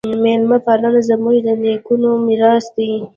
میلمه پالنه زموږ د نیکونو میراث دی.